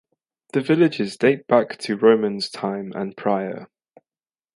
The villages dates back to Romans times and prior.